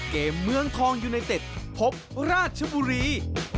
เมืองทองยูไนเต็ดพบราชบุรี